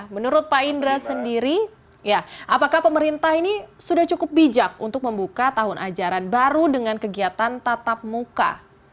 menurut pak indra sendiri apakah pemerintah ini sudah cukup bijak untuk membuka tahun ajaran baru dengan kegiatan tatap muka